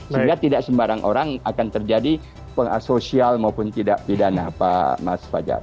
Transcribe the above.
sehingga tidak sembarang orang akan terjadi pengasosial maupun tidak pidana pak mas fajar